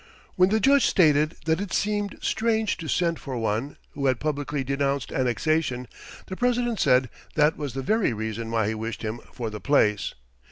When the Judge stated that it seemed strange to send for one, who had publicly denounced annexation, the President said that was the very reason why he wished him for the place.